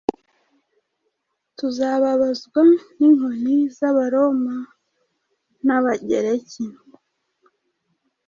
Tuzababazwa n'inkoni z'Abaroma n'Abagereki